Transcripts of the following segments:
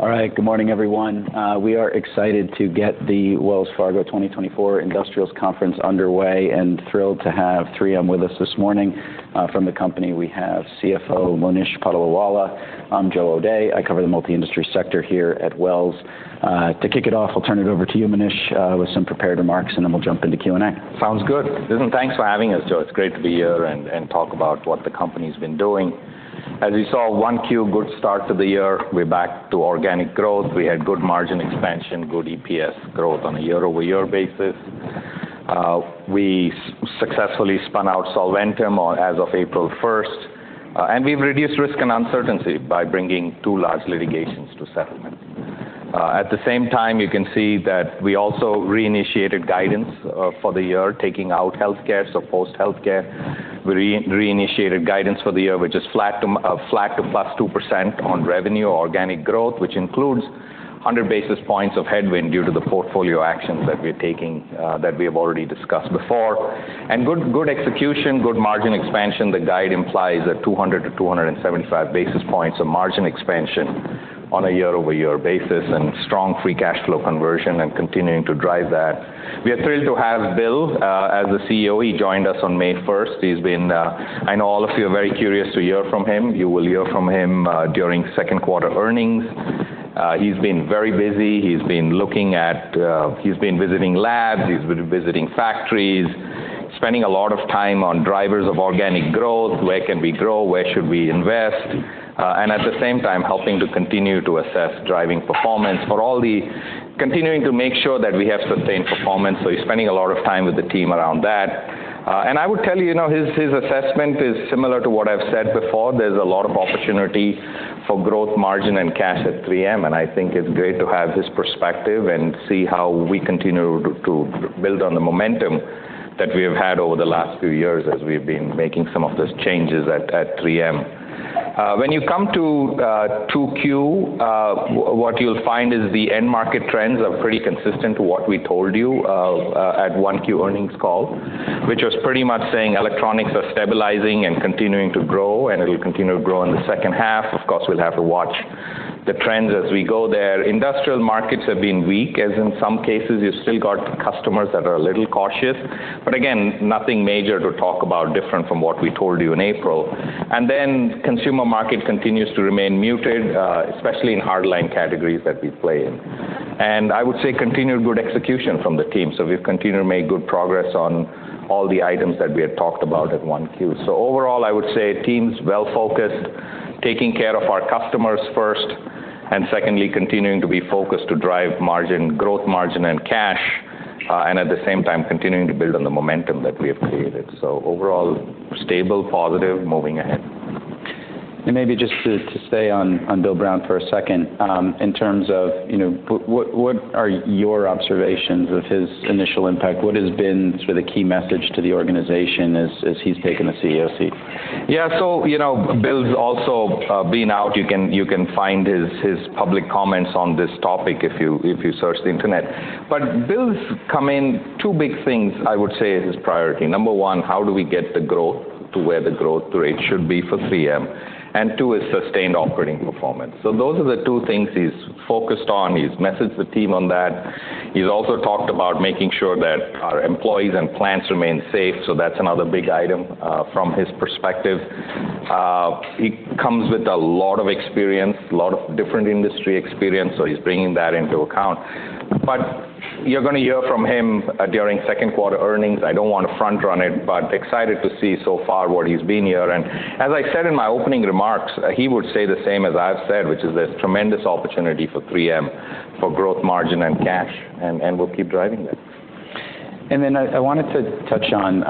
All right, good morning, everyone. We are excited to get the Wells Fargo 2024 Industrials Conference underway and thrilled to have 3M with us this morning. From the company, we have CFO Monish Patolawala. I'm Joe O'Dea. I cover the multi-industry sector here at Wells. To kick it off, I'll turn it over to you, Monish, with some prepared remarks, and then we'll jump into Q&A. Sounds good. Listen, thanks for having us, Joe. It's great to be here and talk about what the company's been doing. As you saw, Q1 good start to the year. We're back to organic growth. We had good margin expansion, good EPS growth on a year-over-year basis. We successfully spun out Solventum as of April 1st, and we've reduced risk and uncertainty by bringing two large litigations to settlement. At the same time, you can see that we also reinitiated guidance for the year, taking out healthcare, so post-healthcare. We reinitiated guidance for the year, which is flat to plus 2% on revenue, organic growth, which includes 100 basis points of headwind due to the portfolio actions that we're taking that we have already discussed before. And good execution, good margin expansion. The guide implies a 200-275 basis points of margin expansion on a year-over-year basis and strong free cash flow conversion and continuing to drive that. We are thrilled to have Bill as the CEO. He joined us on May 1st. He's been, I know all of you are very curious to hear from him. You will hear from him during second quarter earnings. He's been very busy. He's been looking at, he's been visiting labs. He's been visiting factories, spending a lot of time on drivers of organic growth. Where can we grow? Where should we invest? And at the same time, helping to continue to assess driving performance for all the continuing to make sure that we have sustained performance. So he's spending a lot of time with the team around that. I would tell you, you know, his assessment is similar to what I've said before. There's a lot of opportunity for growth, margin, and cash at 3M, and I think it's great to have his perspective and see how we continue to build on the momentum that we have had over the last few years as we've been making some of those changes at 3M. When you come to 2Q, what you'll find is the end market trends are pretty consistent to what we told you at 1Q earnings call, which was pretty much saying electronics are stabilizing and continuing to grow, and it'll continue to grow in the second half. Of course, we'll have to watch the trends as we go there. Industrial markets have been weak, as in some cases you've still got customers that are a little cautious, but again, nothing major to talk about different from what we told you in April. And then consumer market continues to remain muted, especially in hardline categories that we play in. And I would say continued good execution from the team. So we've continued to make good progress on all the items that we had talked about at 1Q. So overall, I would say teams well focused, taking care of our customers first, and secondly, continuing to be focused to drive margin, growth margin, and cash, and at the same time, continuing to build on the momentum that we have created. So overall, stable, positive, moving ahead. Maybe just to stay on Bill Brown for a second, in terms of, you know, what are your observations of his initial impact? What has been sort of the key message to the organization as he's taken the CEO seat? Yeah, so, you know, Bill's also been out. You can find his public comments on this topic if you search the internet. But Bill's come in two big things, I would say, as his priority. Number one, how do we get the growth to where the growth rate should be for 3M? And two, is sustained operating performance. So those are the two things he's focused on. He's messaged the team on that. He's also talked about making sure that our employees and plants remain safe. So that's another big item from his perspective. He comes with a lot of experience, a lot of different industry experience, so he's bringing that into account. But you're going to hear from him during second quarter earnings. I don't want to front-run it, but excited to see so far what he's been here. As I said in my opening remarks, he would say the same as I've said, which is there's tremendous opportunity for 3M for growth, margin, and cash, and we'll keep driving that. Then I wanted to touch on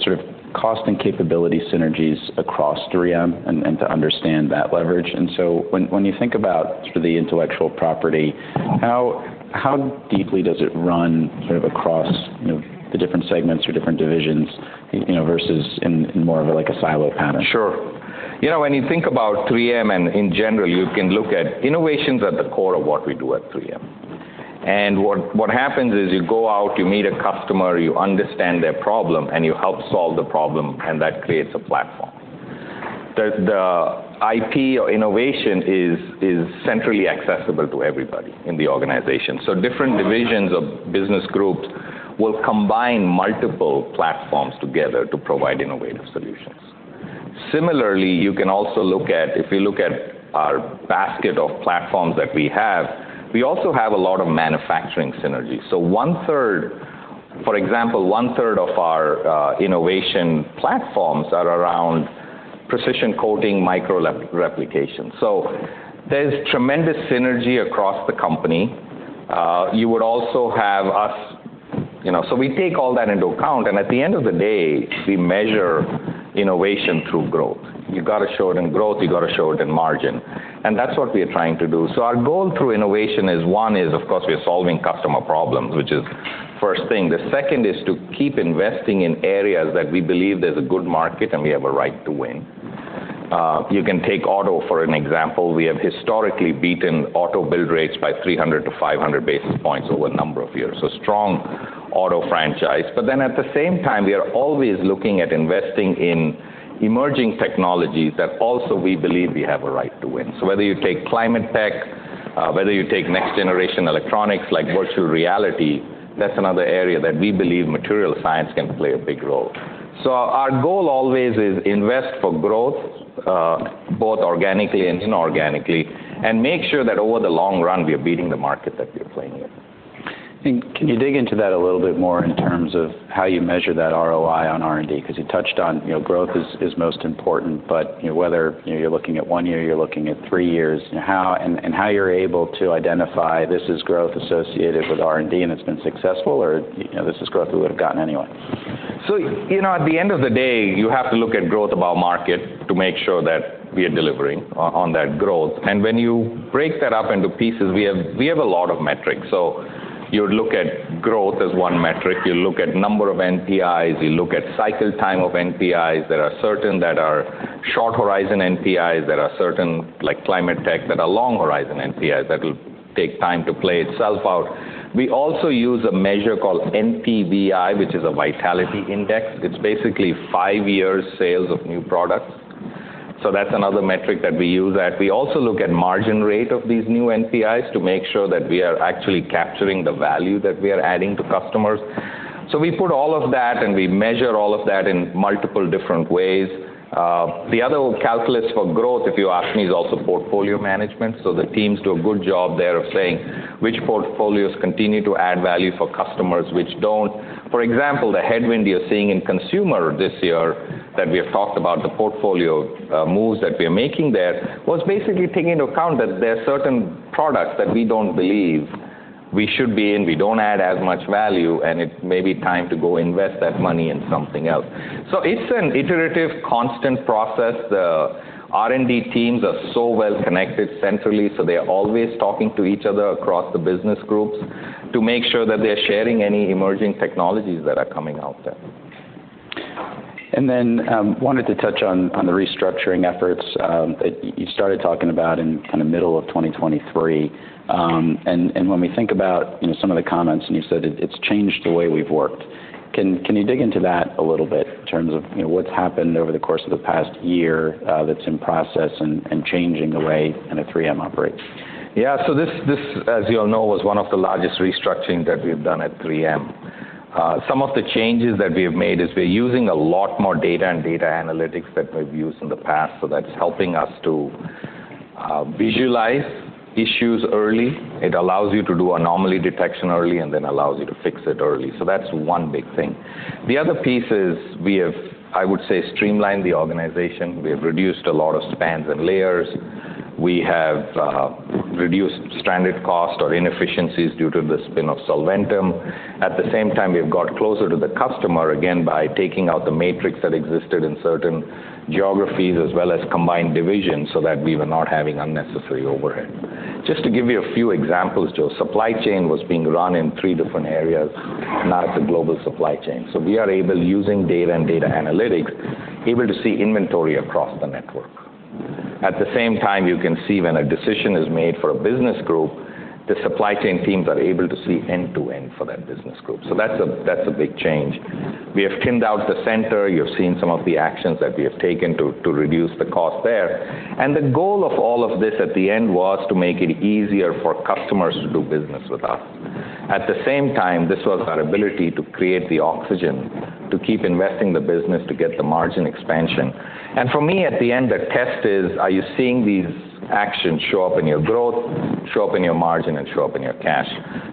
sort of cost and capability synergies across 3M and to understand that leverage. So when you think about sort of the intellectual property, how deeply does it run sort of across the different segments or different divisions versus in more of a silo pattern? Sure. You know, when you think about 3M and in general, you can look at innovations at the core of what we do at 3M. What happens is you go out, you meet a customer, you understand their problem, and you help solve the problem, and that creates a platform. The IP or innovation is centrally accessible to everybody in the organization. Different divisions of business groups will combine multiple platforms together to provide innovative solutions. Similarly, you can also look at, if you look at our basket of platforms that we have, we also have a lot of manufacturing synergies. One third, for example, one third of our innovation platforms are around precision coating, micro replication. There's tremendous synergy across the company. You would also have us, you know, so we take all that into account. At the end of the day, we measure innovation through growth. You've got to show it in growth. You've got to show it in margin. And that's what we are trying to do. So our goal through innovation is, one is, of course, we are solving customer problems, which is the first thing. The second is to keep investing in areas that we believe there's a good market and we have a right to win. You can take auto for an example. We have historically beaten auto build rates by 300-500 basis points over a number of years. So strong auto franchise. But then at the same time, we are always looking at investing in emerging technologies that also we believe we have a right to win. So whether you take climate tech, whether you take next generation electronics like virtual reality, that's another area that we believe material science can play a big role. So our goal always is invest for growth, both organically and inorganically, and make sure that over the long run, we are beating the market that we are playing in. Can you dig into that a little bit more in terms of how you measure that ROI on R&D? Because you touched on growth is most important, but whether you're looking at one year, you're looking at three years, and how you're able to identify this is growth associated with R&D and it's been successful, or this is growth we would have gotten anyway? So, you know, at the end of the day, you have to look at growth about market to make sure that we are delivering on that growth. And when you break that up into pieces, we have a lot of metrics. So you would look at growth as one metric. You look at number of NPIs. You look at cycle time of NPIs. There are certain that are short horizon NPIs. There are certain like climate tech that are long horizon NPIs that will take time to play itself out. We also use a measure called NPVI, which is a vitality index. It's basically five years sales of new products. So that's another metric that we use that. We also look at margin rate of these new NPIs to make sure that we are actually capturing the value that we are adding to customers. So we put all of that and we measure all of that in multiple different ways. The other calculus for growth, if you ask me, is also portfolio management. So the teams do a good job there of saying which portfolios continue to add value for customers, which don't. For example, the headwind you're seeing in consumer this year that we have talked about, the portfolio moves that we are making there was basically taking into account that there are certain products that we don't believe we should be in. We don't add as much value, and it may be time to go invest that money in something else. So it's an iterative, constant process. The R&D teams are so well connected centrally, so they're always talking to each other across the business groups to make sure that they're sharing any emerging technologies that are coming out there. Then I wanted to touch on the restructuring efforts that you started talking about in kind of middle of 2023. When we think about some of the comments and you said it's changed the way we've worked, can you dig into that a little bit in terms of what's happened over the course of the past year that's in process and changing the way kind of 3M operates? Yeah, so this, as you all know, was one of the largest restructuring that we've done at 3M. Some of the changes that we have made is we're using a lot more data and data analytics that we've used in the past. So that's helping us to visualize issues early. It allows you to do anomaly detection early and then allows you to fix it early. So that's one big thing. The other piece is we have, I would say, streamlined the organization. We have reduced a lot of spans and layers. We have reduced stranded cost or inefficiencies due to the spin of Solventum. At the same time, we have got closer to the customer again by taking out the matrix that existed in certain geographies as well as combined divisions so that we were not having unnecessary overhead. Just to give you a few examples, Joe, supply chain was being run in three different areas. Now it's a global supply chain. So we are able, using data and data analytics, able to see inventory across the network. At the same time, you can see when a decision is made for a business group, the supply chain teams are able to see end to end for that business group. So that's a big change. We have timed out the center. You've seen some of the actions that we have taken to reduce the cost there. The goal of all of this at the end was to make it easier for customers to do business with us. At the same time, this was our ability to create the oxygen to keep investing the business to get the margin expansion. For me, at the end, the test is, are you seeing these actions show up in your growth, show up in your margin, and show up in your cash?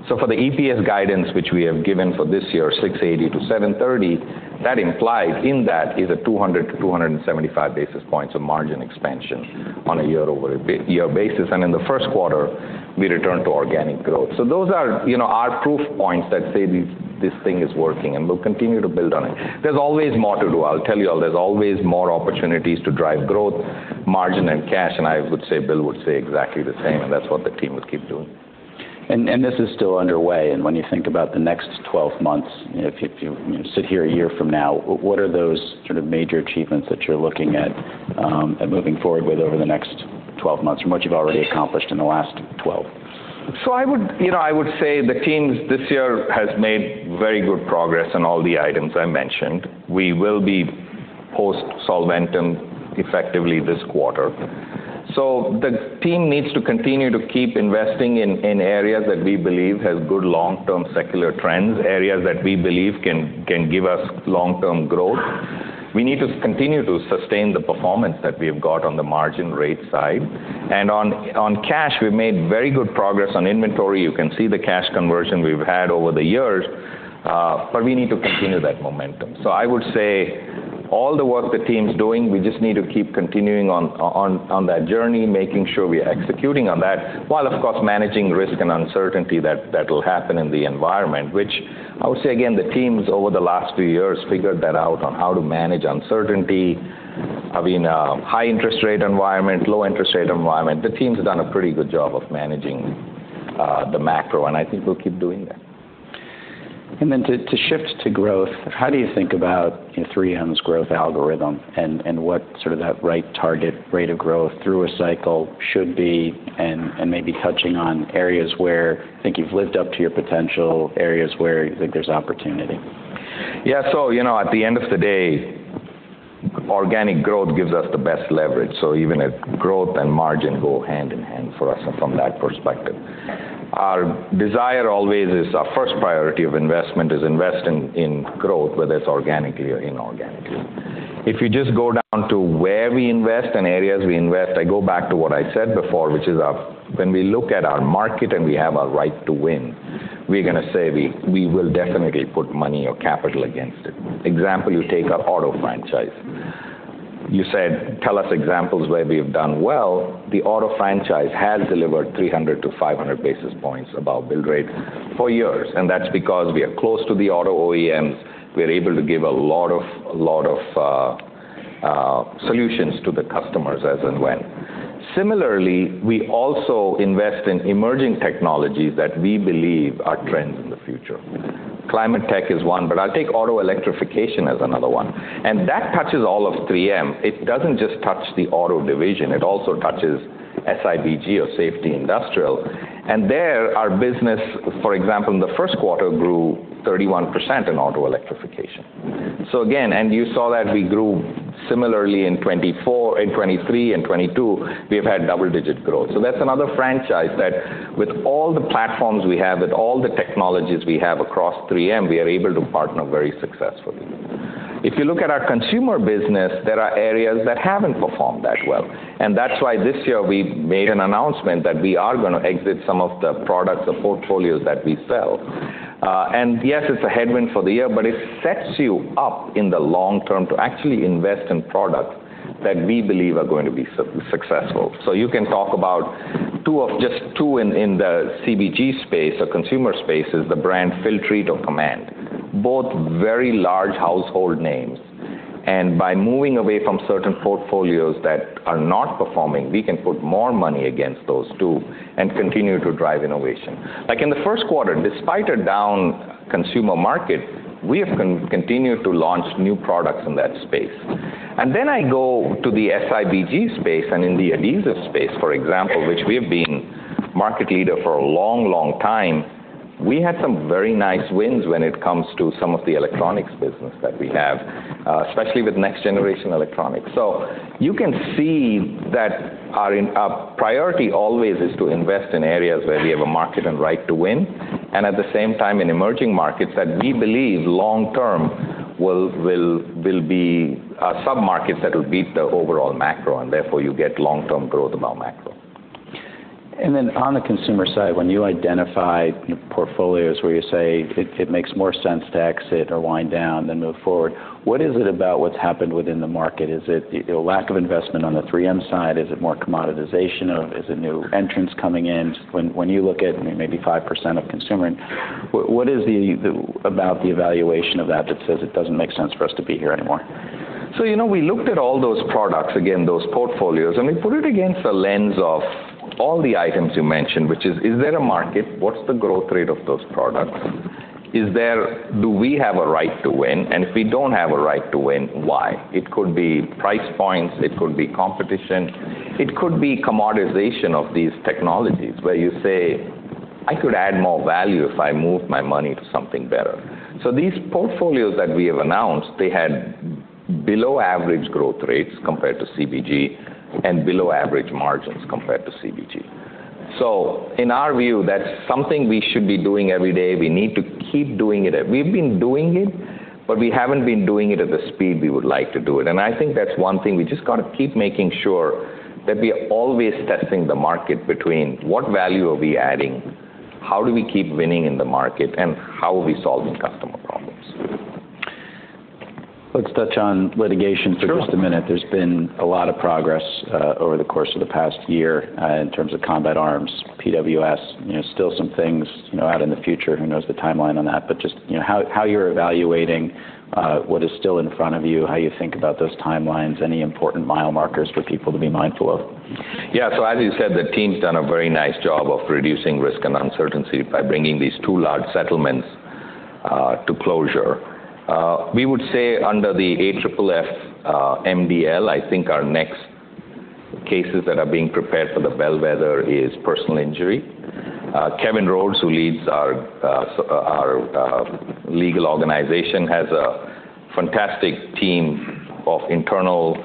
So for the EPS guidance, which we have given for this year, 680-730, that implied in that is a 200-275 basis points of margin expansion on a year-over-year basis. In the first quarter, we returned to organic growth. So those are our proof points that say this thing is working and we'll continue to build on it. There's always more to do. I'll tell you all, there's always more opportunities to drive growth, margin, and cash. I would say Bill would say exactly the same, and that's what the team will keep doing. This is still underway. When you think about the next 12 months, if you sit here a year from now, what are those sort of major achievements that you're looking at moving forward with over the next 12 months or what you've already accomplished in the last 12? So I would say the teams this year have made very good progress on all the items I mentioned. We will be post Solventum effectively this quarter. So the team needs to continue to keep investing in areas that we believe have good long-term secular trends, areas that we believe can give us long-term growth. We need to continue to sustain the performance that we have got on the margin rate side. And on cash, we've made very good progress on inventory. You can see the cash conversion we've had over the years, but we need to continue that momentum. So, I would say all the work the team's doing, we just need to keep continuing on that journey, making sure we are executing on that, while, of course, managing risk and uncertainty that will happen in the environment, which I would say, again, the teams over the last few years figured that out on how to manage uncertainty. I mean, high interest rate environment, low interest rate environment, the team's done a pretty good job of managing the macro, and I think we'll keep doing that. Then, to shift to growth, how do you think about 3M's growth algorithm and what sort of that right target rate of growth through a cycle should be, and maybe touching on areas where you think you've lived up to your potential, areas where you think there's opportunity? Yeah, so you know at the end of the day, organic growth gives us the best leverage. So even if growth and margin go hand in hand for us from that perspective, our desire always is our first priority of investment is investing in growth, whether it's organically or inorganically. If you just go down to where we invest and areas we invest, I go back to what I said before, which is when we look at our market and we have our right to win, we're going to say we will definitely put money or capital against it. Example, you take our auto franchise. You said, tell us examples where we have done well. The auto franchise has delivered 300-500 basis points above build rate for years. And that's because we are close to the auto OEMs. We are able to give a lot of solutions to the customers as and when. Similarly, we also invest in emerging technologies that we believe are trends in the future. Climate tech is one, but I'll take auto electrification as another one. That touches all of 3M. It doesn't just touch the auto division. It also touches SIBG or safety industrial. There our business, for example, in the first quarter grew 31% in auto electrification. So again, you saw that we grew similarly in 2023 and 2022. We have had double-digit growth. That's another franchise that with all the platforms we have, with all the technologies we have across 3M, we are able to partner very successfully. If you look at our consumer business, there are areas that haven't performed that well. That's why this year we made an announcement that we are going to exit some of the products or portfolios that we sell. And yes, it's a headwind for the year, but it sets you up in the long term to actually invest in products that we believe are going to be successful. So you can talk about two of just two in the CBG space or consumer space is the brand Filtrete or Command, both very large household names. And by moving away from certain portfolios that are not performing, we can put more money against those two and continue to drive innovation. Like in the first quarter, despite a down consumer market, we have continued to launch new products in that space. Then I go to the SIBG space and in the adhesive space, for example, which we have been market leader for a long, long time, we had some very nice wins when it comes to some of the electronics business that we have, especially with next generation electronics. So you can see that our priority always is to invest in areas where we have a market and right to win. And at the same time, in emerging markets that we believe long term will be sub-markets that will beat the overall macro. And therefore, you get long-term growth above macro. And then on the consumer side, when you identify portfolios where you say it makes more sense to exit or wind down and move forward, what is it about what's happened within the market? Is it a lack of investment on the 3M side? Is it more commoditization of is it new entrants coming in? When you look at maybe 5% of consumer and what is about the evaluation of that that says it doesn't make sense for us to be here anymore? So, you know, we looked at all those products, again, those portfolios, and we put it against the lens of all the items you mentioned, which is, is there a market? What's the growth rate of those products? Do we have a right to win? And if we don't have a right to win, why? It could be price points. It could be competition. It could be commoditization of these technologies where you say, I could add more value if I moved my money to something better. So these portfolios that we have announced, they had below average growth rates compared to CBG and below average margins compared to CBG. So in our view, that's something we should be doing every day. We need to keep doing it. We've been doing it, but we haven't been doing it at the speed we would like to do it. I think that's one thing we just got to keep making sure that we are always testing the market between what value are we adding, how do we keep winning in the market, and how are we solving customer problems. Let's touch on litigation for just a minute. There's been a lot of progress over the course of the past year in terms of Combat Arms, PWS. Still some things out in the future. Who knows the timeline on that? But just how you're evaluating what is still in front of you, how you think about those timelines, any important mile markers for people to be mindful of? Yeah, so as you said, the team's done a very nice job of reducing risk and uncertainty by bringing these two large settlements to closure. We would say under the AFFF MDL, I think our next cases that are being prepared for the Bellwether is personal injury. Kevin Rhodes, who leads our legal organization, has a fantastic team of internal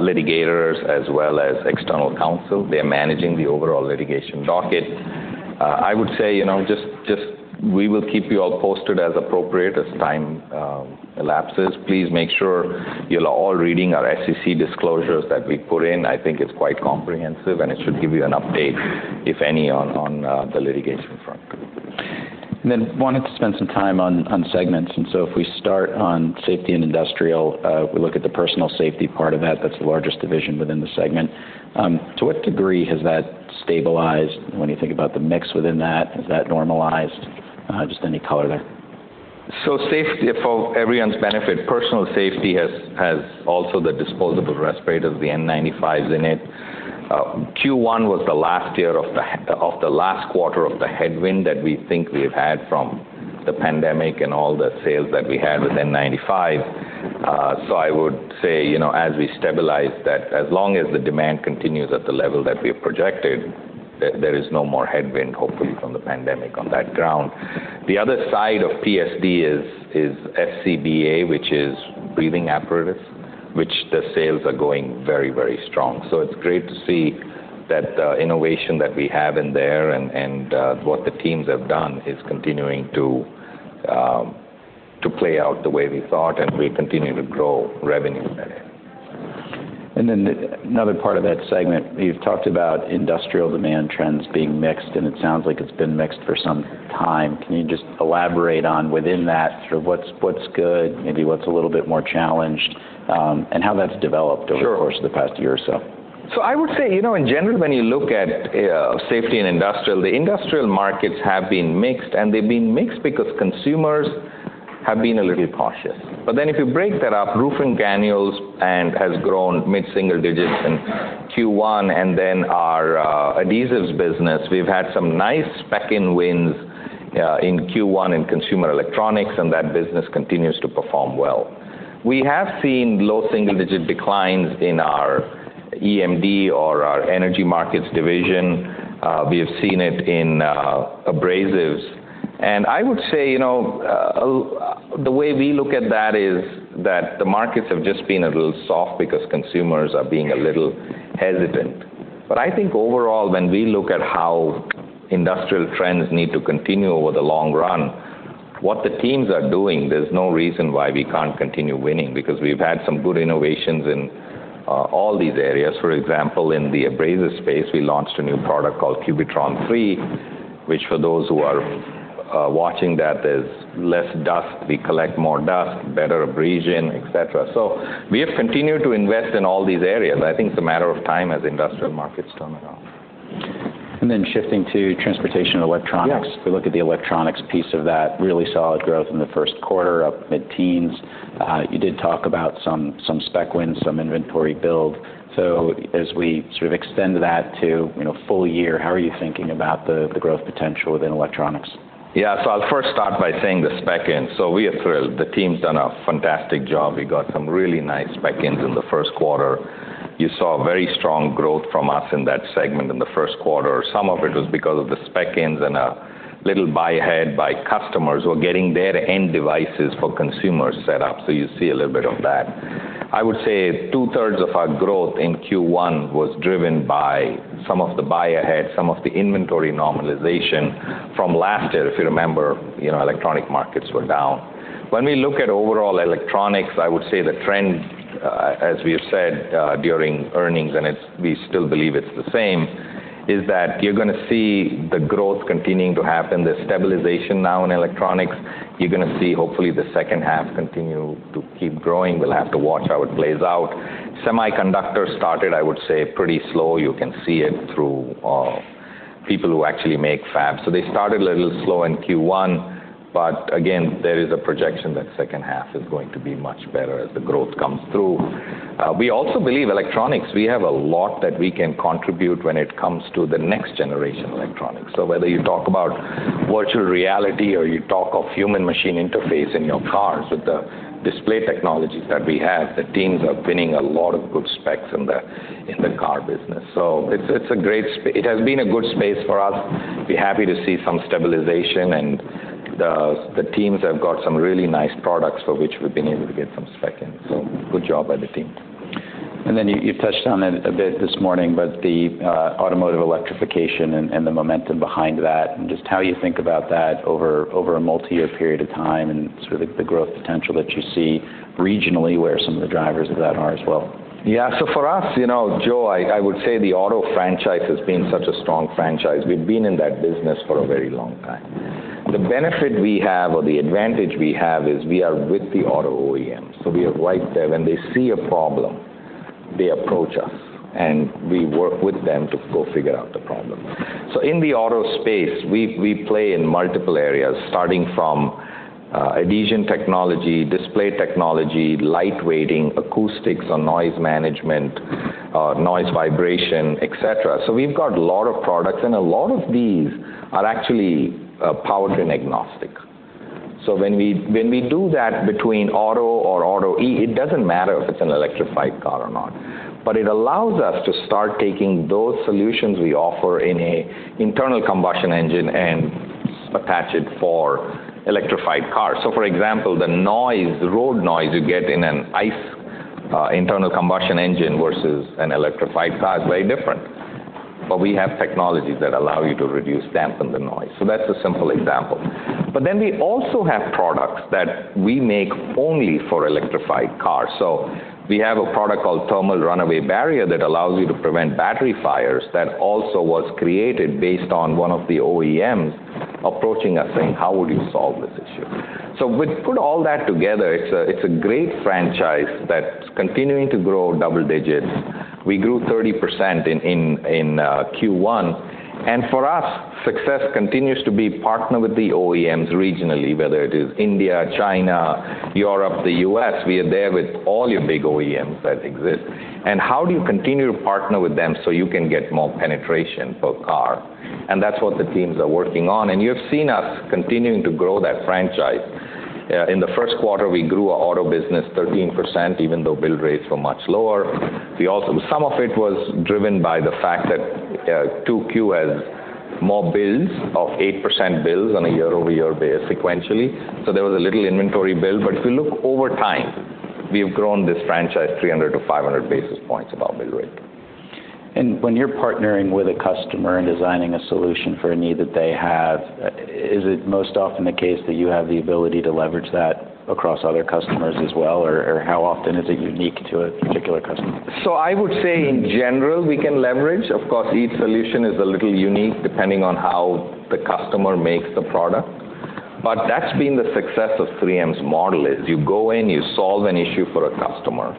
litigators as well as external counsel. They're managing the overall litigation docket. I would say just we will keep you all posted as appropriate as time elapses. Please make sure you'll all read our SEC disclosures that we put in. I think it's quite comprehensive, and it should give you an update, if any, on the litigation front. Then wanted to spend some time on segments. So if we start on Safety and Industrial, we look at the Personal Safety part of that. That's the largest division within the segment. To what degree has that stabilized when you think about the mix within that? Has that normalized? Just any color there. So safety for everyone's benefit, personal safety has also the disposable respirators, the N95s in it. Q1 was the last year of the last quarter of the headwind that we think we have had from the pandemic and all the sales that we had with N95. So I would say as we stabilize that, as long as the demand continues at the level that we have projected, there is no more headwind, hopefully, from the pandemic on that ground. The other side of PSD is FCBA, which is breathing apparatus, which the sales are going very, very strong. So it's great to see that the innovation that we have in there and what the teams have done is continuing to play out the way we thought, and we'll continue to grow revenue in that area. Then another part of that segment, you've talked about industrial demand trends being mixed, and it sounds like it's been mixed for some time. Can you just elaborate on within that sort of what's good, maybe what's a little bit more challenged, and how that's developed over the course of the past year or so? So I would say in general, when you look at safety and industrial, the industrial markets have been mixed, and they've been mixed because consumers have been a little cautious. But then if you break that up, roofing granules has grown mid-single digits in Q1, and then our adhesives business, we've had some nice spec-in wins in Q1 in consumer electronics, and that business continues to perform well. We have seen low single-digit declines in our EMD or our Energy Markets Division. We have seen it in abrasives. And I would say the way we look at that is that the markets have just been a little soft because consumers are being a little hesitant. But I think overall, when we look at how industrial trends need to continue over the long run, what the teams are doing, there's no reason why we can't continue winning because we've had some good innovations in all these areas. For example, in the abrasive space, we launched a new product called Cubitron 3, which for those who are watching that, there's less dust. We collect more dust, better abrasion, et cetera. So we have continued to invest in all these areas. I think it's a matter of time as industrial markets turn around. Then shifting to Transportation and Electronics, we look at the electronics piece of that really solid growth in the first quarter up mid-teens. You did talk about some spec wins, some inventory build. So as we sort of extend that to full year, how are you thinking about the growth potential within electronics? Yeah, so I'll first start by saying the spec-ins. So we are thrilled. The team's done a fantastic job. We got some really nice spec-ins in the first quarter. You saw very strong growth from us in that segment in the first quarter. Some of it was because of the spec-ins and a little buy ahead by customers who are getting their end devices for consumers set up. So you see a little bit of that. I would say two-thirds of our growth in Q1 was driven by some of the buy ahead, some of the inventory normalization from last year. If you remember, electronic markets were down. When we look at overall electronics, I would say the trend, as we have said during earnings, and we still believe it's the same, is that you're going to see the growth continuing to happen. There's stabilization now in electronics. You're going to see, hopefully, the second half continue to keep growing. We'll have to watch how it plays out. Semiconductor started, I would say, pretty slow. You can see it through people who actually make fabs. So they started a little slow in Q1. But again, there is a projection that second half is going to be much better as the growth comes through. We also believe electronics, we have a lot that we can contribute when it comes to the next generation electronics. So whether you talk about virtual reality or you talk of human-machine interface in your cars with the display technologies that we have, the teams are pinning a lot of good specs in the car business. So it's a great space. It has been a good space for us. We're happy to see some stabilization, and the teams have got some really nice products for which we've been able to get some spec-ins. So good job by the team. And then you've touched on it a bit this morning, but the automotive electrification and the momentum behind that and just how you think about that over a multi-year period of time and sort of the growth potential that you see regionally where some of the drivers of that are as well. Yeah, so for us, Joe, I would say the auto franchise has been such a strong franchise. We've been in that business for a very long time. The benefit we have or the advantage we have is we are with the auto OEM. So we are right there. When they see a problem, they approach us, and we work with them to go figure out the problem. So in the auto space, we play in multiple areas starting from adhesion technology, display technology, light weighting, acoustics or noise management, noise vibration, et cetera. So we've got a lot of products, and a lot of these are actually powertrain agnostic. So when we do that between auto or auto, it doesn't matter if it's an electrified car or not, but it allows us to start taking those solutions we offer in an internal combustion engine and attach it for electrified cars. So for example, the noise, the road noise you get in an ICE internal combustion engine versus an electrified car is very different. But we have technologies that allow you to reduce, dampen the noise. So that's a simple example. But then we also have products that we make only for electrified cars. So we have a product called Thermal Runaway Barrier that allows you to prevent battery fires, that also was created based on one of the OEMs approaching us saying, how would you solve this issue? So we put all that together. It's a great franchise that's continuing to grow double digits. We grew 30% in Q1. And for us, success continues to be partner with the OEMs regionally, whether it is India, China, Europe, the U.S. We are there with all your big OEMs that exist. How do you continue to partner with them so you can get more penetration per car? That's what the teams are working on. You have seen us continuing to grow that franchise. In the first quarter, we grew our auto business 13%, even though build rates were much lower. Some of it was driven by the fact that 2Q has more builds of 8% builds on a year-over-year basis sequentially. So there was a little inventory build. But if you look over time, we have grown this franchise 300-500 basis points above build rate. When you're partnering with a customer and designing a solution for a need that they have, is it most often the case that you have the ability to leverage that across other customers as well? Or how often is it unique to a particular customer? So I would say in general, we can leverage. Of course, each solution is a little unique depending on how the customer makes the product. But that's been the success of 3M's model is you go in, you solve an issue for a customer.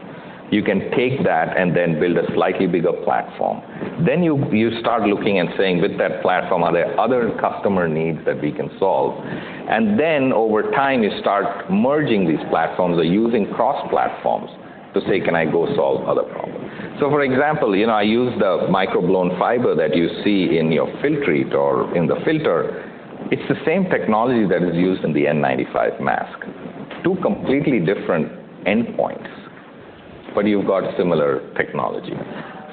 You can take that and then build a slightly bigger platform. Then you start looking and saying, with that platform, are there other customer needs that we can solve? And then over time, you start merging these platforms or using cross-platforms to say, can I go solve other problems? So for example, I use the micro-blown fiber that you see in your Filtrete or in the filter. It's the same technology that is used in the N95 mask to completely different endpoints, but you've got similar technology.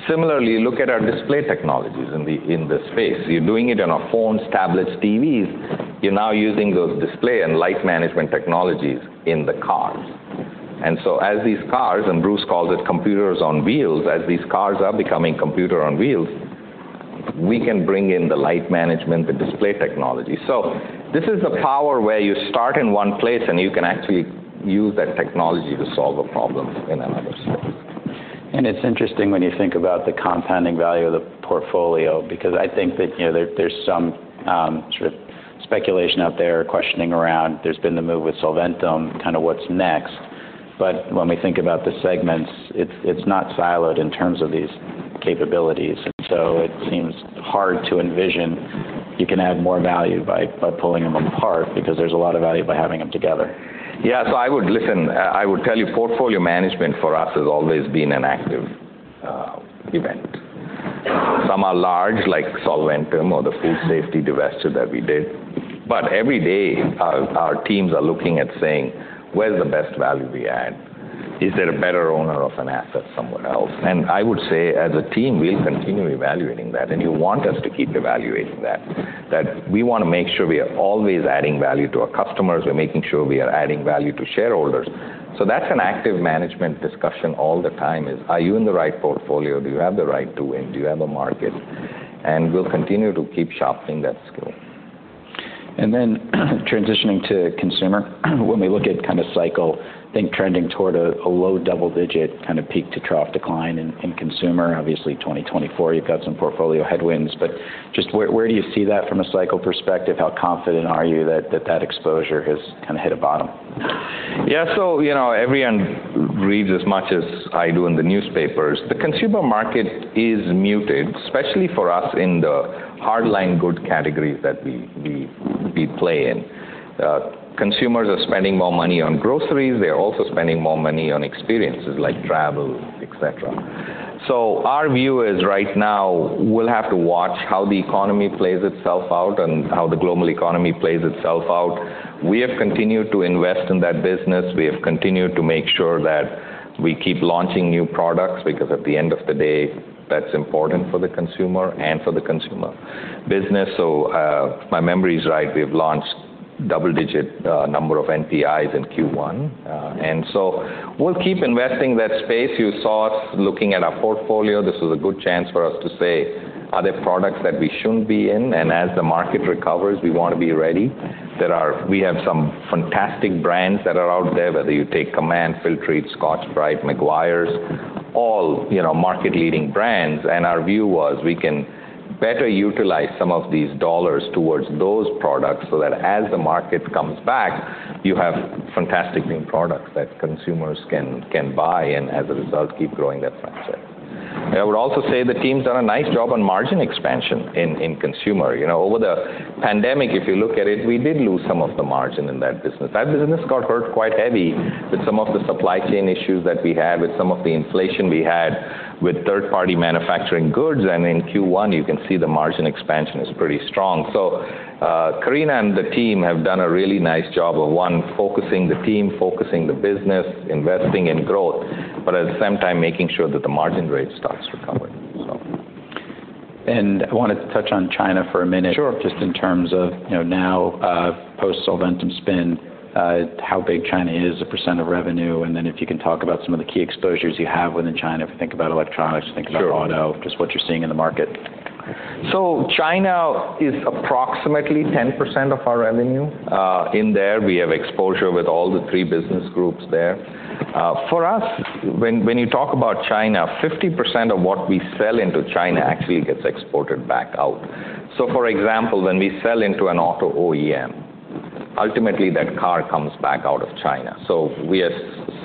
Similarly, look at our display technologies in the space. You're doing it on our phones, tablets, TVs. You're now using those display and light management technologies in the cars. And so as these cars, and Bruce calls it computers on wheels, as these cars are becoming computer on wheels, we can bring in the light management, the display technology. So this is the power where you start in one place, and you can actually use that technology to solve a problem in another space. It's interesting when you think about the compounding value of the portfolio because I think that there's some sort of speculation out there questioning around there's been the move with Solventum, kind of what's next. But when we think about the segments, it's not siloed in terms of these capabilities. And so it seems hard to envision you can add more value by pulling them apart because there's a lot of value by having them together. Yeah, so I would. Listen, I would tell you portfolio management for us has always been an active event. Some are large, like Solventum or the food safety divestiture that we did. But every day, our teams are looking at saying, where's the best value we add? Is there a better owner of an asset somewhere else? And I would say as a team, we'll continue evaluating that. And you want us to keep evaluating that, that we want to make sure we are always adding value to our customers. We're making sure we are adding value to shareholders. So that's an active management discussion all the time is, are you in the right portfolio? Do you have the right doing? Do you have a market? And we'll continue to keep sharpening that skill. And then transitioning to consumer, when we look at kind of cycle, I think trending toward a low double-digit kind of peak to trough decline in consumer, obviously 2024, you've got some portfolio headwinds. But just where do you see that from a cycle perspective? How confident are you that that exposure has kind of hit a bottom? Yeah, so everyone reads as much as I do in the newspapers. The consumer market is muted, especially for us in the hardline good categories that we play in. Consumers are spending more money on groceries. They're also spending more money on experiences like travel, et cetera. So our view is right now we'll have to watch how the economy plays itself out and how the global economy plays itself out. We have continued to invest in that business. We have continued to make sure that we keep launching new products because at the end of the day, that's important for the consumer and for the consumer business. So if my memory is right, we have launched a double-digit number of NPIs in Q1. And so we'll keep investing in that space. You saw us looking at our portfolio. This was a good chance for us to say, are there products that we shouldn't be in? As the market recovers, we want to be ready. We have some fantastic brands that are out there, whether you take Command, Filtrete, Scotch-Brite, Meguiar's, all market-leading brands. Our view was we can better utilize some of these dollars towards those products so that as the market comes back, you have fantastic new products that consumers can buy and as a result, keep growing that franchise. I would also say the teams done a nice job on margin expansion in consumer. Over the pandemic, if you look at it, we did lose some of the margin in that business. That business got hurt quite heavy with some of the supply chain issues that we had, with some of the inflation we had with third-party manufacturing goods. In Q1, you can see the margin expansion is pretty strong. Karina and the team have done a really nice job of one, focusing the team, focusing the business, investing in growth, but at the same time making sure that the margin rate starts to recover. I want to touch on China for a minute just in terms of now post-Solventum spend, how big China is, the percent of revenue. And then if you can talk about some of the key exposures you have within China, if you think about electronics, think about auto, just what you're seeing in the market. So, China is approximately 10% of our revenue. In there, we have exposure with all the three business groups there. For us, when you talk about China, 50% of what we sell into China actually gets exported back out. So for example, when we sell into an auto OEM, ultimately that car comes back out of China. So we are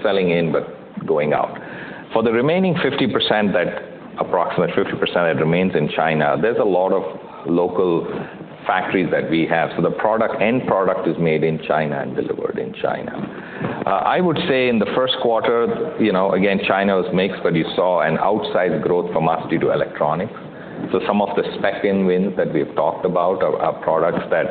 selling in but going out. For the remaining 50%, that approximate 50% that remains in China, there's a lot of local factories that we have. So the end product is made in China and delivered in China. I would say in the first quarter, again, China was mixed, but you saw an outsized growth for us due to electronics. So some of the spec-in wins that we've talked about are products that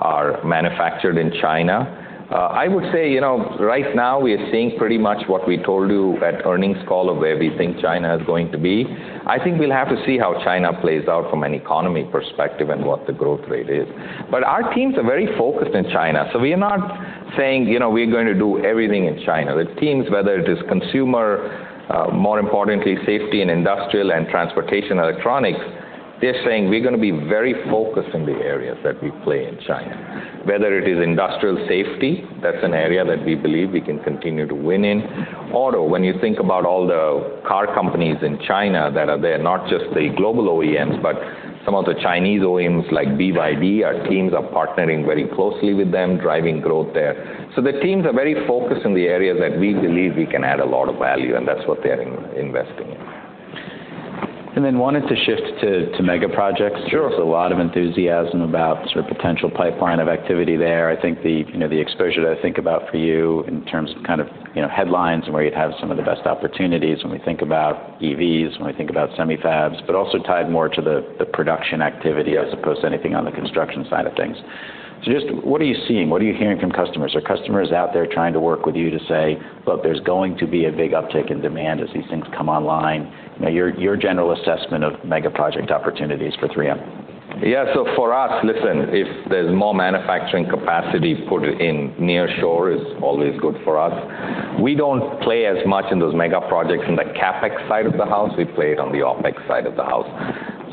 are manufactured in China. I would say right now we are seeing pretty much what we told you at earnings call of where we think China is going to be. I think we'll have to see how China plays out from an economy perspective and what the growth rate is. But our teams are very focused in China. So we are not saying we're going to do everything in China. The teams, whether it is consumer, more importantly, safety and industrial and transportation electronics, they're saying we're going to be very focused in the areas that we play in China. Whether it is industrial safety, that's an area that we believe we can continue to win in. Auto, when you think about all the car companies in China that are there, not just the global OEMs, but some of the Chinese OEMs like BYD, our teams are partnering very closely with them, driving growth there. So the teams are very focused in the areas that we believe we can add a lot of value, and that's what they're investing in. And then wanted to shift to mega projects. There's a lot of enthusiasm about sort of potential pipeline of activity there. I think the exposure that I think about for you in terms of kind of headlines and where you'd have some of the best opportunities when we think about EVs, when we think about semi-fabs, but also tied more to the production activity as opposed to anything on the construction side of things. So just what are you seeing? What are you hearing from customers? Are customers out there trying to work with you to say, look, there's going to be a big uptick in demand as these things come online? Your general assessment of mega project opportunities for 3M? Yeah, so for us, listen, if there's more manufacturing capacity put in near shore, it's always good for us. We don't play as much in those mega projects in the CapEx side of the house. We play it on the OpEx side of the house.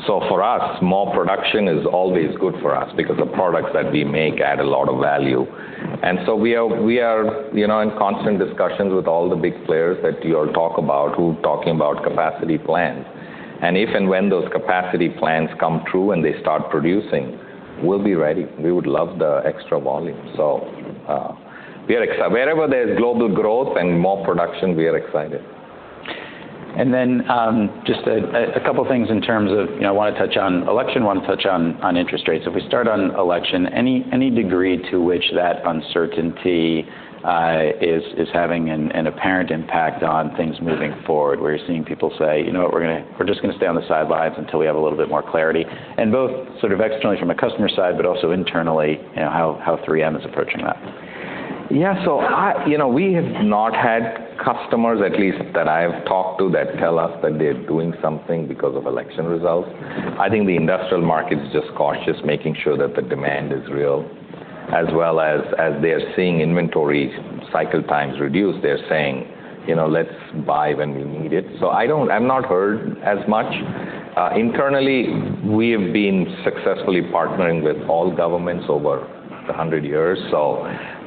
So for us, more production is always good for us because the products that we make add a lot of value. And so we are in constant discussions with all the big players that you all talk about who are talking about capacity plans. And if and when those capacity plans come true and they start producing, we'll be ready. We would love the extra volume. So wherever there's global growth and more production, we are excited. And then just a couple of things in terms of I want to touch on election, want to touch on interest rates. If we start on election, any degree to which that uncertainty is having an apparent impact on things moving forward where you're seeing people say, you know what, we're just going to stay on the sidelines until we have a little bit more clarity? And both sort of externally from a customer side, but also internally, how 3M is approaching that. Yeah, so we have not had customers, at least that I've talked to, that tell us that they're doing something because of election results. I think the industrial market is just cautious, making sure that the demand is real, as well as they are seeing inventory cycle times reduce. They're saying, let's buy when we need it. So I'm not heard as much. Internally, we have been successfully partnering with all governments over the 100 years. So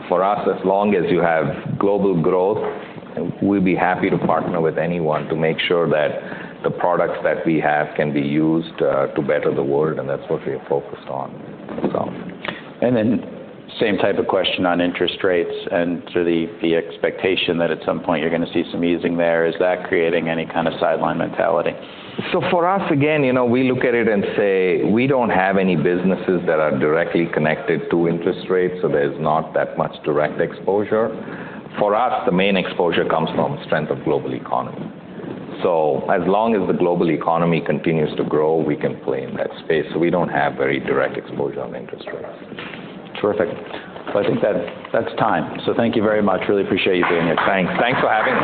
for us, as long as you have global growth, we'd be happy to partner with anyone to make sure that the products that we have can be used to better the world. And that's what we are focused on. And then same type of question on interest rates and sort of the expectation that at some point you're going to see some easing there. Is that creating any kind of sideline mentality? So for us, again, we look at it and say, we don't have any businesses that are directly connected to interest rates. So there's not that much direct exposure. For us, the main exposure comes from strength of global economy. So as long as the global economy continues to grow, we can play in that space. So we don't have very direct exposure on interest rates. Terrific. So, I think that's time. So, thank you very much. Really appreciate you being here. Thanks. Thanks for having me.